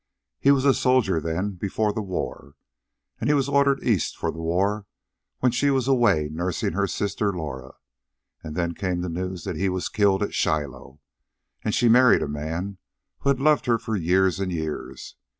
He was a soldier then, before the war. And he was ordered East for the war when she was away nursing her sister Laura. And then came the news that he was killed at Shiloh. And she married a man who had loved her for years and years.